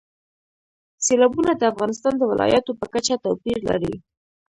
سیلابونه د افغانستان د ولایاتو په کچه توپیر لري.